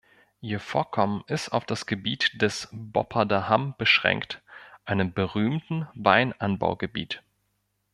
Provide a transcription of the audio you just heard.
Ihr Vorkommen ist auf das Gebiet des Bopparder Hamm beschränkt, einem berühmten Weinanbau-Gebiet.